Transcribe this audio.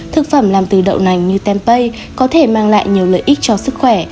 thực phẩm làm từ đậu nành như tempay có thể mang lại nhiều lợi ích cho sức khỏe